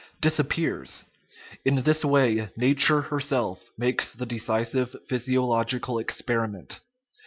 disappears; in this way nature herself makes the decisive physiological experiment.